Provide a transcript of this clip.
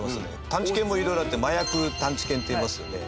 探知犬もいろいろあって麻薬探知犬っていますよね。